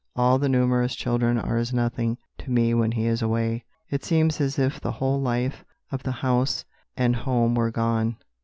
All the numerous children are as nothing to me when he is away. It seems as if the whole life of the house and home were gone."